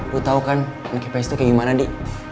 lo tau kan anak ips tuh kayak gimana di